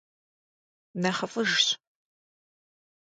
НэхъыфӀыжщ!